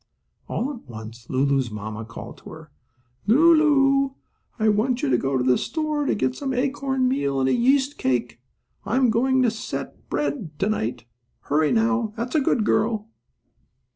All at once Lulu's mamma called to her: "Lulu, I want you to go to the store to get some acorn meal and a yeast cake. I am going to set bread to night. Hurry, now, that's a good girl."